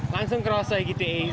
langsung kerasa gitu eh sopan